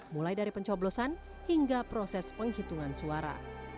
mulai dari pencoblosan hingga proses penghitungan suara